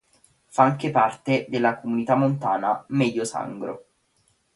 Fa anche parte della Comunità montana "Medio Sangro".